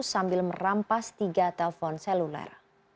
sambil merampas tiga telpon seluler